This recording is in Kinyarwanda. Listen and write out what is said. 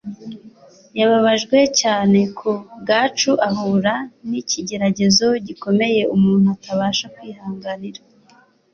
yababajwe cyane ku bwacu ahura n’ikigeragezo gikomeye umuntu atabasha kwihanganira